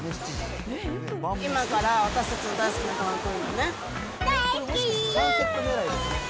今から、私たちの大好きなごはん来るんだよね？